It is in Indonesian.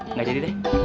nggak jadi deh